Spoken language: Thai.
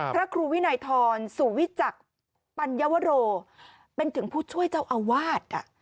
พระครูวินัยทรสุวิจักรปัญวโรเป็นถึงผู้ช่วยเจ้าอาวาส